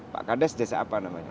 pak kades desa apa namanya